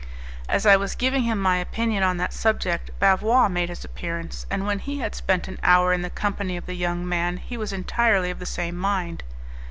As I was giving him my opinion on that subject, Bavois made his appearance, and when he had spent an hour in the company of the young man he was entirely of the same mind.